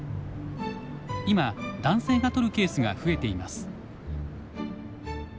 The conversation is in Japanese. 今男性が取るケースが増えています。